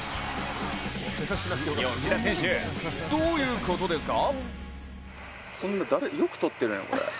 吉田選手、どういうことですか？